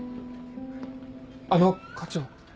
あの課長。